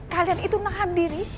kalian itu nahan diri